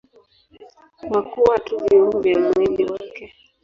Kwa kuwa tu viungo vya mwili wake.